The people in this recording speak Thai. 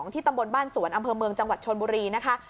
ตำบลบ้านสวนอำเภอเมืองจังหวัดชนบุรีนะคะ